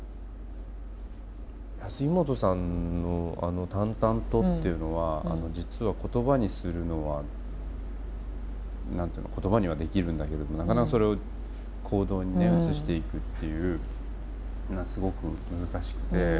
杉本さんの淡々とっていうのは実は言葉にするのは何て言うの言葉にはできるんだけれどなかなかそれを行動に移していくっていうのがすごく難しくて。